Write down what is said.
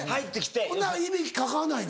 ほんならいびきかかないの？